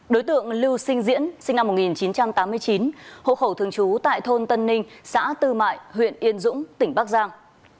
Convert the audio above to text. đối tượng lưu sinh diễn sinh năm một nghìn chín trăm tám mươi chín hộ khẩu thường trú tại thôn tân ninh xã tư mại huyện yên dũng tỉnh bắc giang